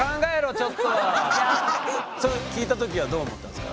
それ聞いた時はどう思ったんですか？